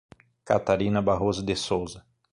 Catarina Barroso de Souza